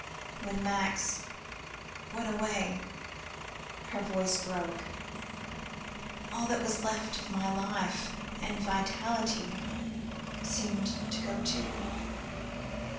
When Max went away," her voice broke "all that was left of my life and vitality seemed to go, too.